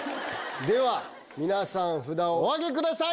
では皆さん札をお挙げください！